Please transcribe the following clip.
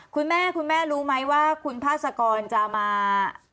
คุณแม่คุณแม่รู้ไหมว่าคุณพาสกรจะมา